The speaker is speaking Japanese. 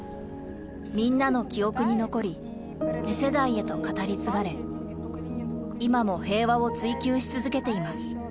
みんなの記憶に残り、次世代へと語り継がれ、今も平和を追求し続けています。